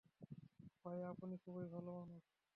ভাইয়া, আপনি খুবই ভালো মানুষ।